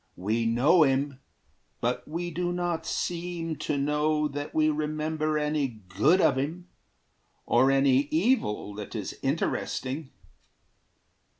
We know him, but we do not seem to know That we remember any good of him, Or any evil that is interesting.